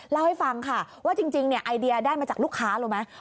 เล่าให้ฟังค่ะว่าจริงไอเดียได้มาจากลูกค้ารู้ไหม